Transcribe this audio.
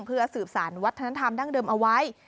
เพื่อสืบสารวัฒนธรรมดั้งเดิมเอาไว้